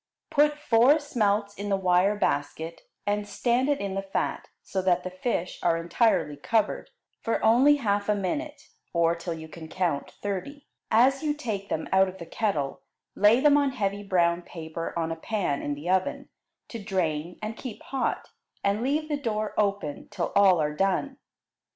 Put four smelts in the wire basket, and stand it in the fat, so that the fish are entirely covered, for only half a minute, or till you can count thirty. As you take them out of the kettle, lay them on heavy brown paper on a pan in the oven, to drain and keep hot, and leave the door open till all are done.